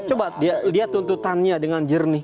coba lihat tuntutannya dengan jernih